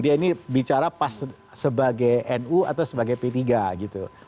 dia ini bicara pas sebagai nu atau sebagai p tiga gitu